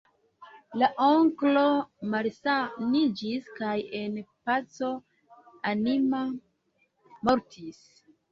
La onklo malsaniĝis kaj en paco anima mortis.